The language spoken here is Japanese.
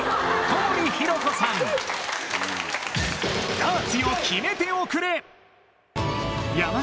ダーツよ決めておくれ！